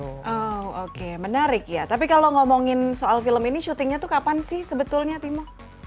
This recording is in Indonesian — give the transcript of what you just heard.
oh oke menarik ya tapi kalau ngomongin soal film ini syutingnya tuh kapan sih sebetulnya timo